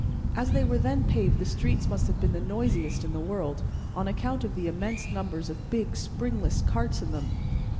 As they were then paved the streets must have been the noisiest in the world, on account of the immense numbers of big springless carts in them.